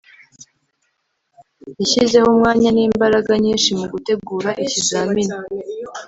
yashyizeho umwanya n'imbaraga nyinshi mugutegura ikizamini